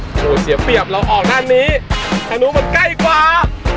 โอ้โหเสียเปรียบเราออกด้านนี้ทางนู้นมันใกล้กว่า